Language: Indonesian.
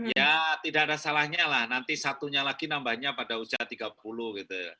ya tidak ada salahnya lah nanti satunya lagi nambahnya pada usia tiga puluh gitu